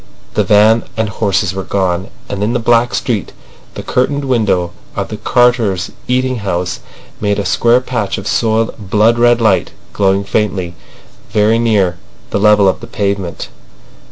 The van and horses were gone, and in the black street the curtained window of the carters' eating house made a square patch of soiled blood red light glowing faintly very near the level of the pavement.